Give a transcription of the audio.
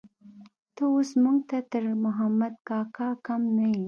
ته اوس موږ ته تر محمد کاکا کم نه يې.